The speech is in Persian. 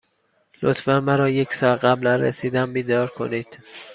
لطفا مرا یک ساعت قبل از رسیدن بیدار کنید.